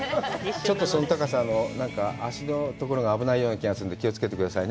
ちょっとその高さ、なんか足のところが危ないような気がするので気をつけてくださいね。